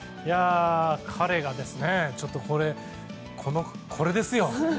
彼、これですよ。